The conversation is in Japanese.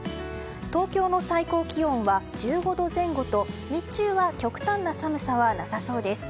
東京の最高気温は１５度前後と日中は極端な寒さはなさそうです。